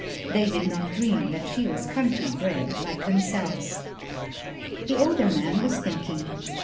They did not dream that she was country bred like themselves. The older man was thinking.